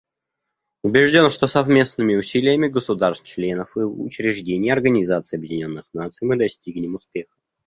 Убежден, что совместными усилиями государств-членов и учреждений Организации Объединенных Наций мы достигнем успеха.